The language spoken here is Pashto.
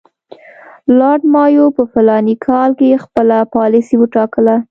لارډ مایو په فلاني کال کې خپله پالیسي وټاکله.